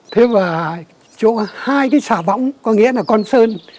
thế và hai cái xà bóng có nghĩa là con sơn